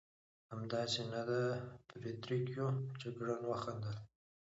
همداسې نه ده فرېدرېکو؟ جګړن وخندل.